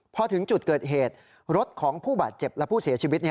พอถึงจุดเกิดเหตุรถของผู้บาดเจ็บและผู้เสียชีวิต